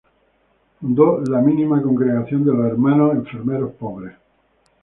Fundó la Mínima Congregación de los Hermanos Enfermeros Pobres.